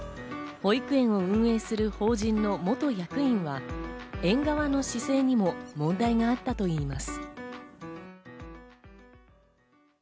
保育園を運営する法人の元役員は、園側の姿勢にも問題があったといいます。